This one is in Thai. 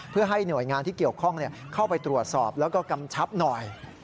เพื่อให้หน่วยงานที่เกี่ยวข้องเข้าไปตรวจสอบแล้วก็กำชับหน่อย